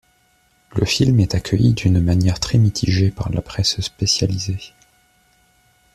Le film est accueillie d'une manière très mitigée par la presse spécialisée.